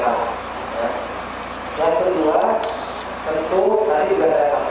bahwa aktivitas yang ada untuk menutupi ini